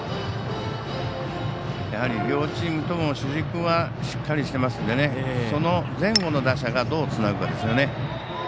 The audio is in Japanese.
やはり両チームとも主軸はしっかりしてますのでその前後の打者がどうつなぐかですね。